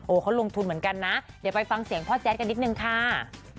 เขาลงทุนเหมือนกันนะเดี๋ยวไปฟังเสียงพ่อแจ๊ดกันนิดนึงค่ะ